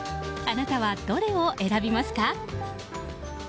あなたは、どれを選びますか。